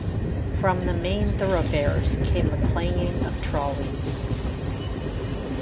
From the main thoroughfares came the clanging of trolleys.